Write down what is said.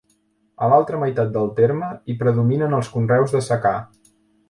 A l'altra meitat del terme, hi predominen els conreus de secà.